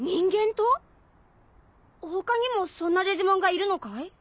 他にもそんなデジモンがいるのかい？